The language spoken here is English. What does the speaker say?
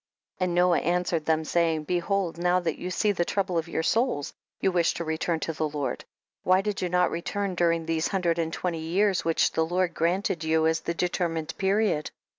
22. And Noah answered them, saying, behold now that you see the trouble of your souls, you wish to return to the Lord ; why did you not return during these hundred and twenty years, which the Lord gran ted you as the determined period